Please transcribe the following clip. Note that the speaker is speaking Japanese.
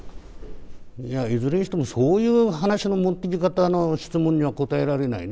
いや、いずれにしてもそういう話の持っていき方の質問には答えられないね。